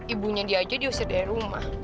ibunya dia aja diusir dari rumah